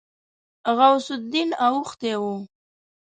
غوث الدين اوښتی و.